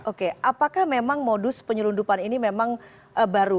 oke apakah memang modus penyelundupan ini memang baru